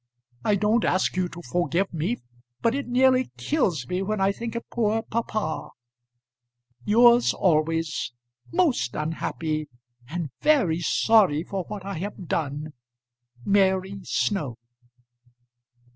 I don't ask you to forgive me, but it nearly kills me when I think of poor papa. Yours always, most unhappy, and very sorry for what I have done, MARY SNOW.